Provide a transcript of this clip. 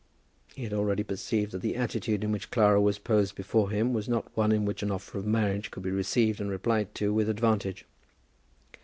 He had already perceived that the attitude in which Clara was posed before him was not one in which an offer of marriage could be received and replied to with advantage.